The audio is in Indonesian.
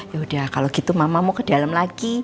yaudah kalau gitu mama mau ke dalam lagi